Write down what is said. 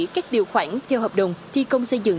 các điều khoản theo hợp đồng thi công xây dựng